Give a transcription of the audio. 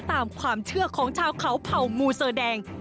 ตามความเชื่อของชาวเขาเผ่ามูเซอร์แดง